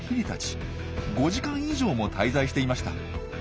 ５時間以上も滞在していました。